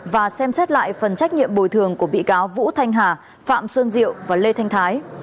và xem xét lại phần trách nhiệm bồi thường của bị cáo vũ thanh hà phạm xuân diệu và lê thanh thái